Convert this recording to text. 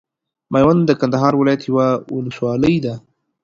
ميوند د کندهار ولايت یوه ولسوالۍ ده.